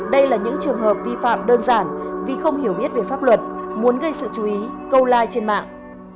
đây là những trường hợp vi phạm đơn giản vì không hiểu biết về pháp luật muốn gây sự chú ý câu like trên mạng